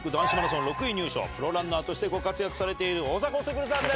プロランナーとしてご活躍されている大迫傑さんです！